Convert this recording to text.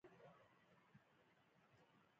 اکبرجان وویل ولې دا بې ژبې شی تاسې ولئ.